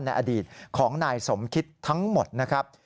ในอดีตของนายสมคิดทั้งหมดนะครับ